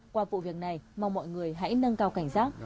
qua vụ việc này mong mọi người hãy nâng cao cảnh giác